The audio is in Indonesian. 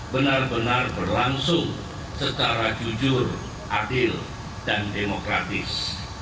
benar benar berlangsung secara jujur adil dan demokratis